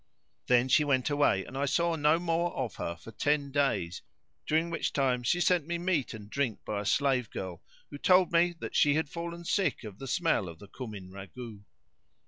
Then she went away and I saw no more of her for ten days, during which time she sent me meat and drink by a slave girl who told me that she had fallen sick from the smell of the cumin ragout.